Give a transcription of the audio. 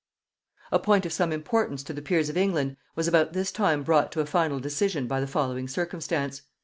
A point of some importance to the peers of England was about this time brought to a final decision by the following circumstance.